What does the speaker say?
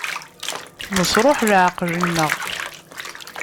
Nesṛuḥ leɛqel-nneɣ.